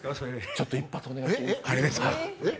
ちょっと一発お願いしていいですか？